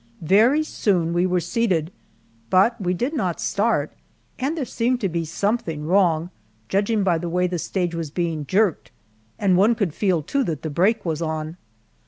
Very soon we were seated, but we did not start, and there seemed to be something wrong, judging by the way the stage was being jerked, and one could feel, too, that the brake was on.